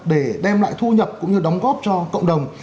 để đem lại thu nhập cũng như đóng góp cho cộng đồng